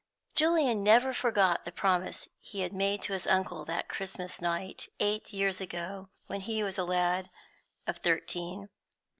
Julian never forgot the promise he had made to his uncle that Christmas night, eight years ago, when he was a lad of thirteen.